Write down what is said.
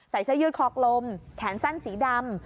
เสื้อยืดคอกลมแขนสั้นสีดำ